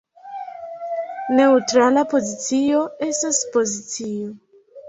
Neǔtrala pozicio estas pozicio.